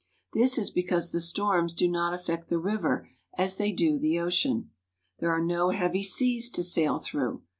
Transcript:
This is because the storms do not affect the river as they do the ocean. There are no heavy seas to sail through.